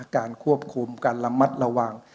การควบคุมการระมัดระวัง